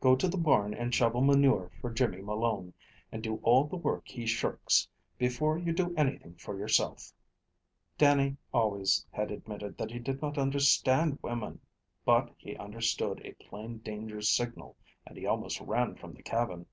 "Go to the barn, and shovel manure for Jimmy Malone, and do all the work he shirks, before you do anything for yoursilf." Dannie always had admitted that he did not understand women, but he understood a plain danger signal, and he almost ran from the cabin.